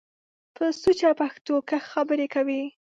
په سوچه پښتو کښ خبرې کوٸ۔